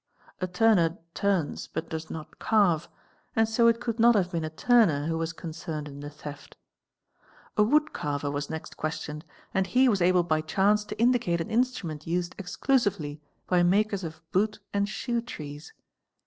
A turner turns but does not carve, and so it could not have been a turner who was concerned in the theft. A wood carver was next questioned and he was able by chance to indicate an instrument used exclusively by makers of boot and shoe trees.